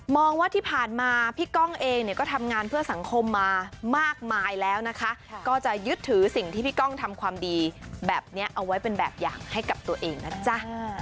ว่าที่ผ่านมาพี่ก้องเองเนี่ยก็ทำงานเพื่อสังคมมามากมายแล้วนะคะก็จะยึดถือสิ่งที่พี่ก้องทำความดีแบบนี้เอาไว้เป็นแบบอย่างให้กับตัวเองนะจ๊ะ